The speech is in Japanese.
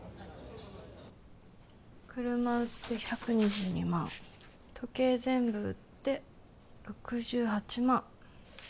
車売って１２２万時計全部売って６８万